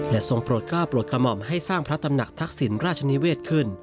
ทรงโปรดกล้าโปรดกระหม่อมให้สร้างพระตำหนักทักษิณราชนิเวศขึ้น